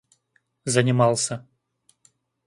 занимался